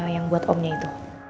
yang buat omnya itu